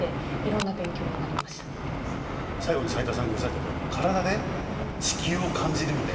最後に斉田さんがおっしゃってた体で地球を感じるみたいな。